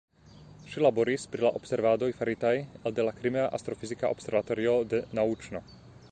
Ŝi laboris pri la observadoj faritaj elde la Krimea astrofizika observatorio de Nauĉno.